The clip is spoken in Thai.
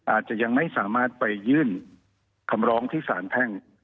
อาจจะยังไม่สามารถไปยื่นคำร้องที่สารแพ่ง